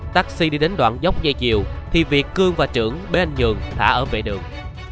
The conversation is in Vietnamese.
taxi đi đến đoạn dốc dây diều thì việt cương và trưởng bế anh nhượng thả ấm về đường